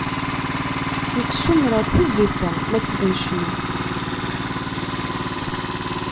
Nekk ssumreɣ-d tizlit-a m'ad tt-id-necnu.